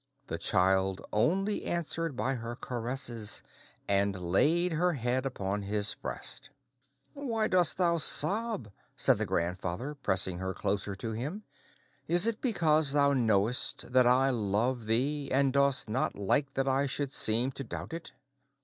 The child only answered by her caresses, and laid her head upon his breast. "Why dost thou sob?" said the grandfather, pressing her closer to him. "Is it because thou know'st that I love thee, and dost not like that I should seem to doubt it?